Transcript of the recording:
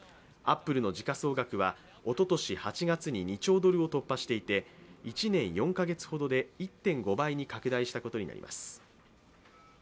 アップルの時価総額はおととし８月に２兆ドルを突破していて、１年４カ月ほどで１．５倍に拡大したことになります。